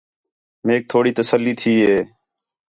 میک تھوڑی تسلّی تھی ہِے